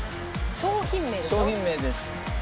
商品名です。